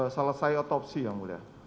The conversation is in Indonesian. selesai otopsi yang mulia